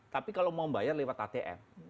tapi kalau mau membayar lewat atm